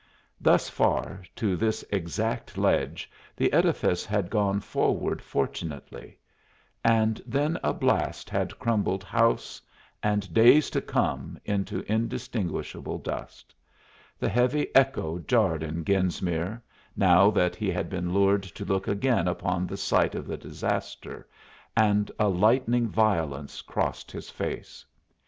Thus far, to this exact ledge, the edifice had gone forward fortunately, and then a blast had crumbled house and days to come into indistinguishable dust. The heavy echo jarred in Genesmere, now that he had been lured to look again upon the site of the disaster, and a lightning violence crossed his face.